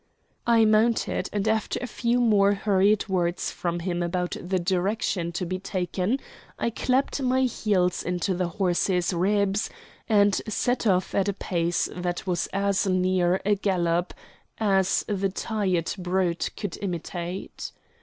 I mounted, and after a few more hurried words from him about the direction to be taken I clapped my heels into the horse's ribs, and set off at a pace that was as near a gallop as the tired brute could imitate.